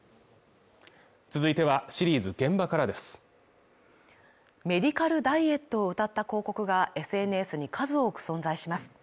続いてはシリーズ「現場から」ですメディカルダイエットをうたった広告がＳＮＳに数多く存在します